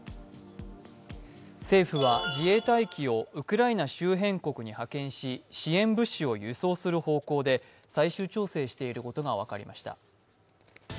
政府は自衛隊機をウクライナ周辺国に派遣し、支援物資を輸送する方向で最終調整していることが分かりました。